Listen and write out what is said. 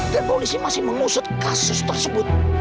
dan polisi masih mengusut kasus tersebut